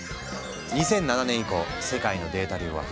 ２００７年以降世界のデータ量は増え続け